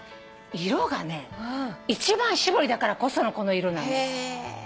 色がね一番搾りだからこそのこの色なんです。